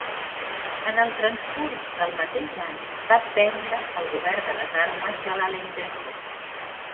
En el transcurs del mateix any va prendre el govern de les Armes de l'Alentejo.